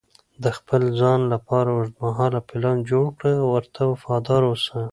د خپل ځان لپاره اوږدمهاله پلان جوړ کړه او ورته وفادار اوسه.